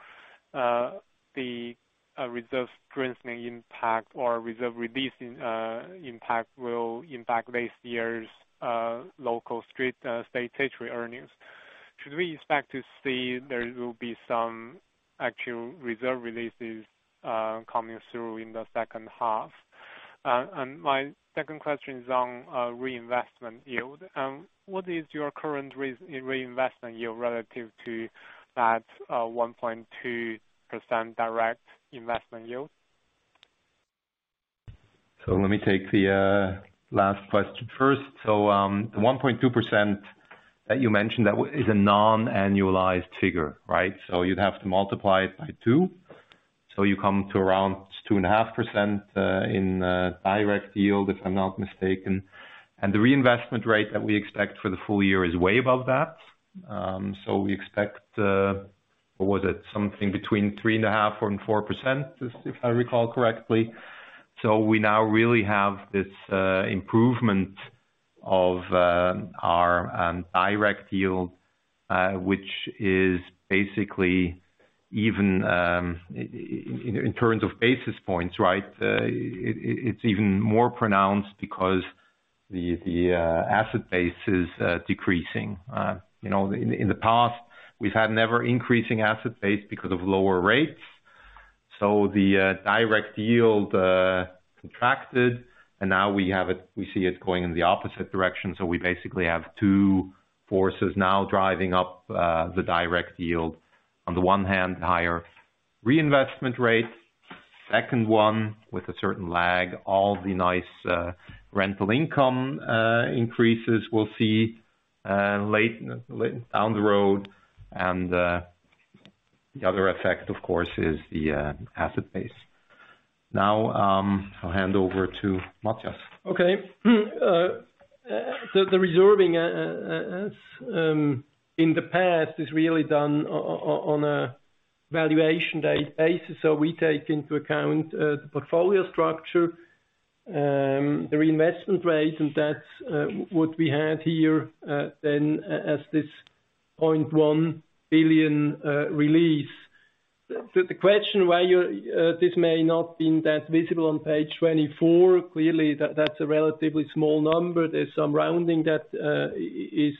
the reserve strengthening impact or reserve releasing impact will impact this year's local statutory earnings? Should we expect to see there will be some actual reserve releases coming through in the second half? My second question is on reinvestment yield. What is your current reinvestment yield relative to that 1.2% direct investment yield? Let me take the last question first. The 1.2% that you mentioned, that is a non-annualized figure, right? You'd have to multiply it by two. You come to around 2.5% in direct yield, if I'm not mistaken. The reinvestment rate that we expect for the full year is way above that. We expect what was it? Something between 3.5% and 4%, if I recall correctly. We now really have this improvement of our direct yield, which is basically even in terms of basis points, right? It's even more pronounced because the asset base is decreasing. You know, in the past, we've had never increasing asset base because of lower rates. The direct yield contracted, and now we have it, we see it going in the opposite direction. We basically have two forces now driving up the direct yield. On the one hand, higher reinvestment rates. Second one, with a certain lag, all the nice rental income increases we'll see late down the road. The other effect, of course, is the asset base. Now, I'll hand over to Matthias. The reserving in the past is really done on a valuation basis. We take into account the portfolio structure, the reinvestment rate, and that's what we have here, then as this 0.1 billion release. The question why this may not have been that visible on page 24, clearly, that's a relatively small number. There's some rounding that is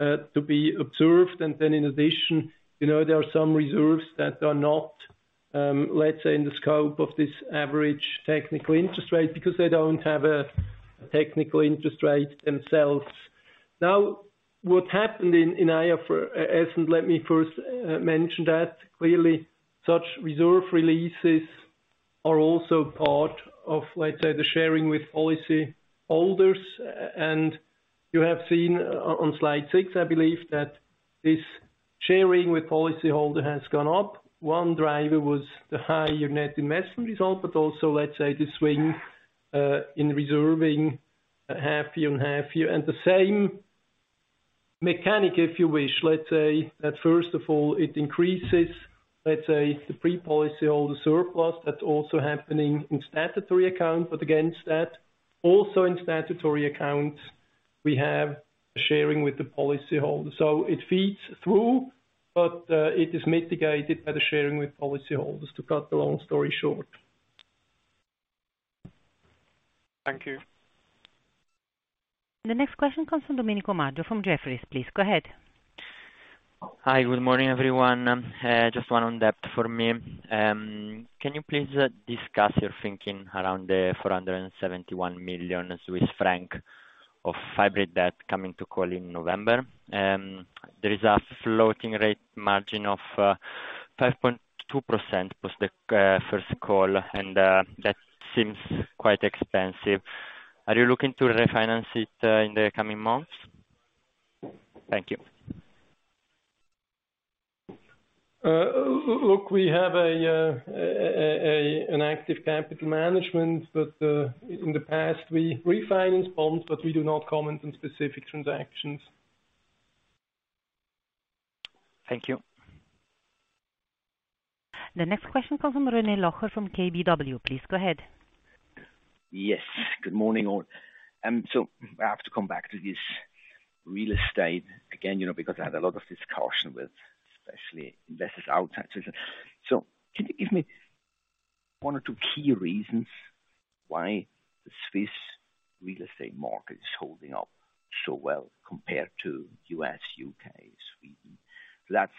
to be observed. Then in addition, you know, there are some reserves that are not, let's say, in the scope of this average technical interest rate, because they don't have a technical interest rate themselves. Now, what happened in H1, and let me first mention that clearly such reserve releases are also part of, let's say, the sharing with policyholders. You have seen on Slide Six, I believe that this sharing with policyholder has gone up. One driver was the higher net investment result, but also, let's say, the swing in reserving half year and half year. The same mechanic, if you wish, let's say that first of all it increases, let's say the pre-policyholder surplus that's also happening in statutory account. Against that, also in statutory accounts, we have sharing with the policyholder. It feeds through, but it is mitigated by the sharing with policyholders, to cut the long story short. Thank you. The next question comes from Domenico Santoro from HSBC, please go ahead. Hi, good morning, everyone. Just one on debt for me. Can you please discuss your thinking around the 471 million Swiss franc of hybrid debt coming to call in November? There is a floating rate margin of 5.2% post the first call, and that seems quite expensive. Are you looking to refinance it in the coming months? Thank you. Look, we have an active capital management that in the past we refinanced bonds, but we do not comment on specific transactions. Thank you. The next question comes from René Locher of Stifel. Please go ahead. Yes. Good morning, all. I have to come back to this real estate again, you know, because I had a lot of discussion with especially investors out. Can you give me one or two key reasons why the Swiss real estate market is holding up so well compared to U.S., U.K., Sweden? That's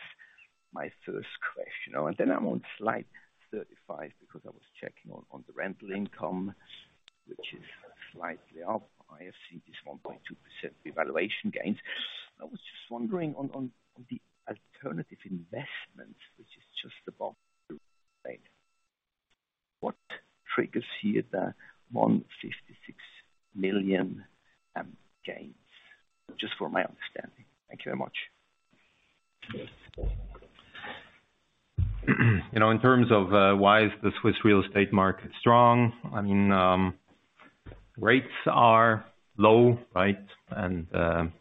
my first question. Then I'm on Slide 35, because I was checking on the rental income, which is slightly up. I have seen this 1.2% valuation gains. I was just wondering on the alternative investment, which is just above What triggers here the 156 million gains? Just for my understanding. Thank you very much. You know, in terms of why is the Swiss real estate market strong? I mean, rates are low, right? That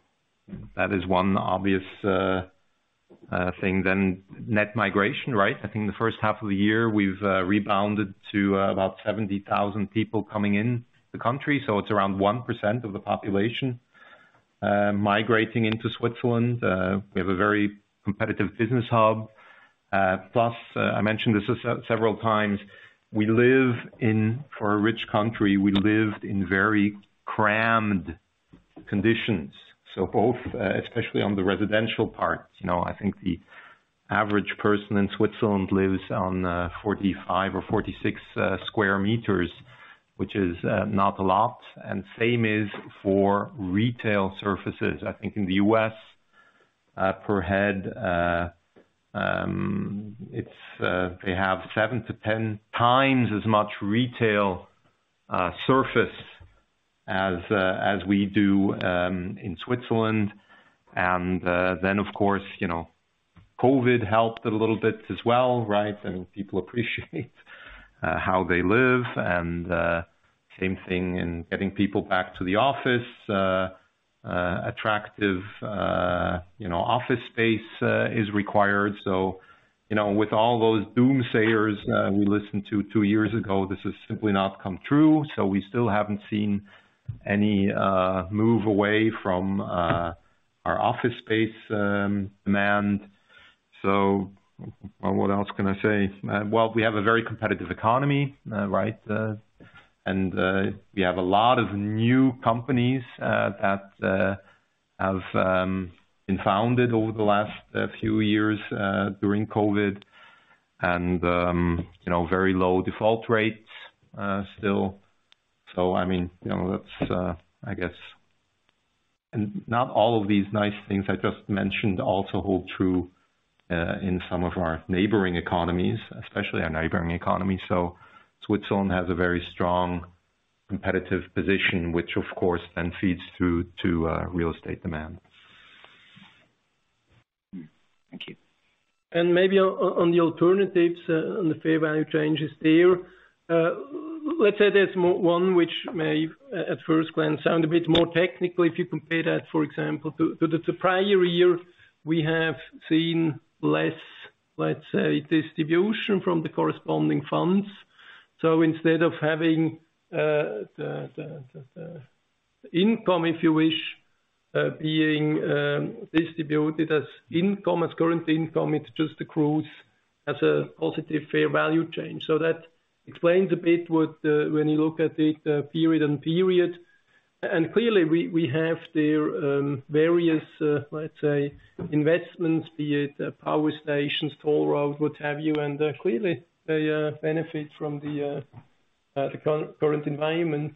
is one obvious thing. Then net migration, right? I think the first half of the year we've rebounded to about 70,000 people coming in the country. So it's around 1% of the population migrating into Switzerland. We have a very competitive business hub, plus I mentioned this several times. For a rich country, we live in very crammed conditions. So both, especially on the residential part, you know, I think the average person in Switzerland lives on 45 sq m-46 sq m, which is not a lot. The same is for retail surfaces. I think in the U.S., per head, it's they have 7x to 10x as much retail surface as we do in Switzerland. Then of course, you know, COVID helped a little bit as well, right? People appreciate how they live and same thing in getting people back to the office, attractive, you know, office space is required. You know, with all those doomsayers we listened to two years ago, this has simply not come true. We still haven't seen any move away from our office space demand. What else can I say? Well, we have a very competitive economy, right? We have a lot of new companies that have been founded over the last few years during COVID. You know, very low default rates still. I mean, you know, that's, I guess. Not all of these nice things I just mentioned also hold true in some of our neighboring economies, especially our neighboring economies. Switzerland has a very strong competitive position, which of course then feeds through to real estate demand. Thank you. Maybe on the alternatives, on the fair value changes there, let's say there's one which may at first glance sound a bit more technical if you compare that, for example, to the prior year, we have seen less, let's say, distribution from the corresponding funds. Instead of having the income, if you wish, being distributed as income, as current income, it just accrues as a positive fair value change. That explains a bit what when you look at the period-on-period. Clearly we have there various, let's say, investments, be it power stations, toll road, what have you, and clearly they benefit from the current environment.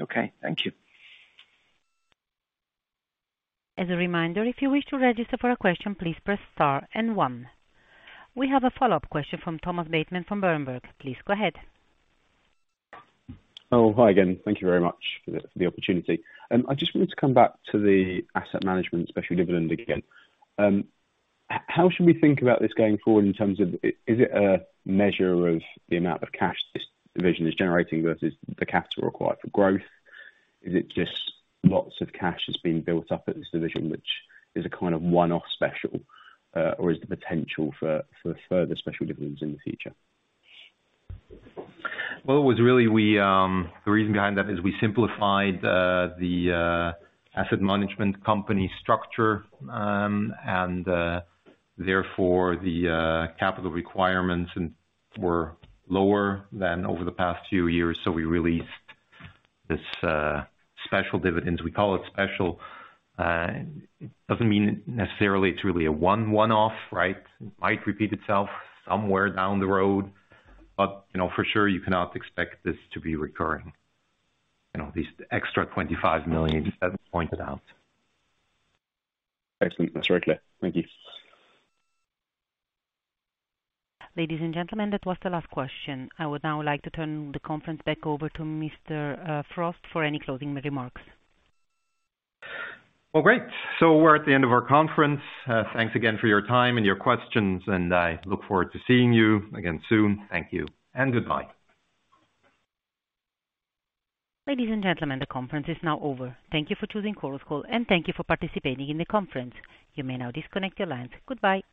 Okay, thank you. As a reminder, if you wish to register for a question, please press star and one. We have a follow-up question from Thomas Bateman from Berenberg. Please go ahead. Oh, hi again. Thank you very much for the opportunity. I just wanted to come back to the asset management special dividend again. How should we think about this going forward in terms of is it a measure of the amount of cash this division is generating versus the capital required for growth? Is it just lots of cash that's been built up at this division, which is a kind of one-off special, or is the potential for further special dividends in the future? The reason behind that is we simplified the asset management company structure and therefore the capital requirements were lower than over the past few years. We released this special dividends. We call it special. It doesn't mean necessarily it's really a one-off, right? It might repeat itself somewhere down the road, but you know, for sure, you cannot expect this to be recurring. You know, this extra 25 million as you pointed out. Excellent. That's very clear. Thank you. Ladies and gentlemen, that was the last question. I would now like to turn the conference back over to Mr. Frost for any closing remarks. Well, great. We're at the end of our conference. Thanks again for your time and your questions, and I look forward to seeing you again soon. Thank you and goodbye. Ladies and gentlemen, the conference is now over. Thank you for choosing Chorus Call, and thank you for participating in the conference. You may now disconnect your lines. Goodbye.